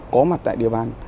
có mặt tại địa bàn